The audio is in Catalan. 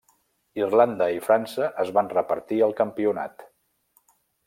Irlanda i França es van repartir el campionat.